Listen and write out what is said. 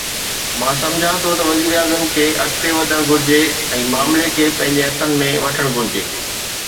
مان سمجهان ٿو ته وزير اعظم کي اڳتي وڌڻ گهرجي ۽ معاملي کي پنهنجي هٿن ۾ وٺڻ گهرجي.